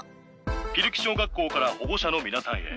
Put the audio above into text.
ピルキ小学校から保護者の皆さんへ。